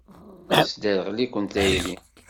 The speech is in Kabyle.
Tesderɣel-iken tayri.